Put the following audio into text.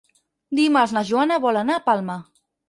Dimarts na Joana vol anar a Palma.